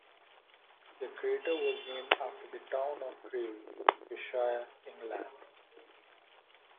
The crater was named after the town of Crewe, Cheshire, England.